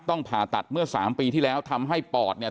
ผ่าตัดเมื่อสามปีที่แล้วทำให้ปอดเนี่ย